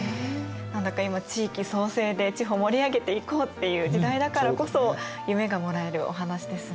何だか今地域創生で地方盛り上げていこうっていう時代だからこそ夢がもらえるお話ですね。